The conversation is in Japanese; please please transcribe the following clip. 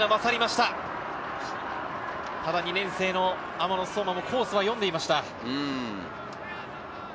ただ２年生の雨野颯真もコースは読んでいました。